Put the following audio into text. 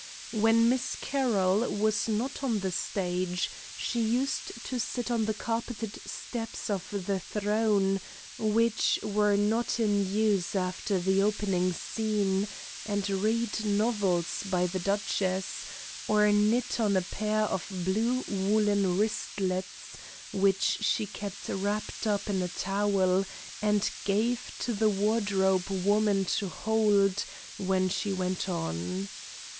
When Miss Carroll was not on the stage she used to sit on the carpeted steps of the throne, which were not in use after the opening scene, and read novels by the Duchess, or knit on a pair of blue woollen wristlets, which she kept wrapped up in a towel and gave to the wardrobe woman to hold when she went on.